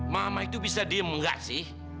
mama itu bisa diem nggak sih